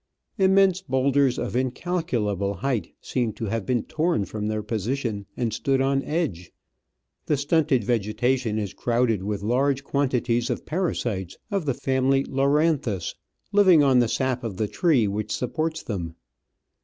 Immense boulders of incalcul able height seemed to have been torn from their position and stood on edge. The stunted vegetation is crowded with large quantities of parasites of ; the family Loranthus, living on the sap of the tree which supports them.